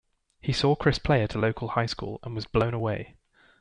He saw Criss play at a local high school and was blown away.